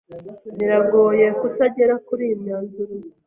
Biragoye kutagera kuriyi myanzuro.